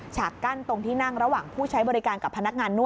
ฉากกั้นตรงที่นั่งระหว่างผู้ใช้บริการกับพนักงานนวด